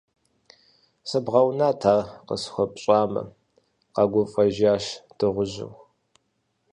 - Сыбгъэунат, ар къысхуэпщӏамэ, - къэгуфӏэжащ дыгъужьыр.